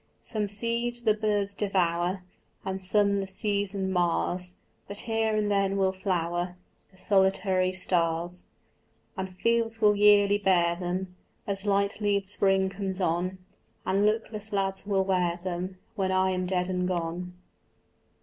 Some seed the birds devour, And some the season mars, But here and there will flower The solitary stars, And fields will yearly bear them As light leaved spring comes on, And luckless lads will wear them When I am dead and gone.